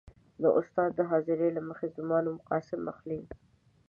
. استاد د حاضرۍ له مخې زما نوم «قاسم» اخلي.